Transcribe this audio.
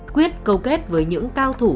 quyết câu kết với những cao thủ